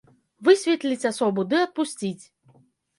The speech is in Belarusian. Высветліць асобу ды адпусціць.